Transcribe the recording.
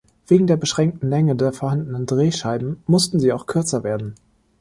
Wegen der beschränkten Länge der vorhandenen Drehscheiben mussten sie auch kürzer werden.